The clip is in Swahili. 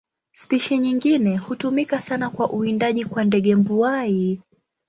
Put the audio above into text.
Spishi nyingine hutumika sana kwa uwindaji kwa ndege mbuai.